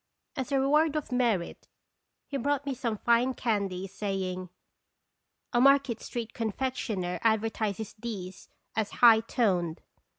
"As a reward of merit" he brought me some fine candies, saying, "A Market street confectioner advertises these as * high toned.'